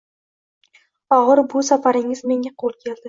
Oxiri bu safaringiz menga qoʻl keldi